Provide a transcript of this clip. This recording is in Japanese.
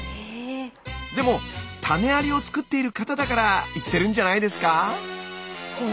でも種ありを作っている方だから言ってるんじゃないですか？